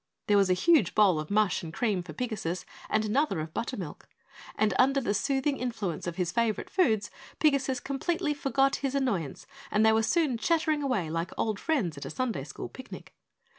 There was a huge bowl of mush and cream for Pigasus and another of buttermilk, and under the soothing influence of his favorite foods, Pigasus completely forgot his annoyance and they were soon chattering away like old friends at a Sunday School Picnic.